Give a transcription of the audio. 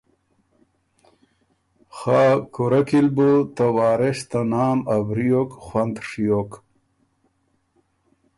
خه کُورۀ کی ل بو ته وارث ته نام ا وریوک خوند ڒیوک